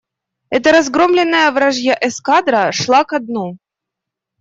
Это разгромленная вражья эскадра шла ко дну.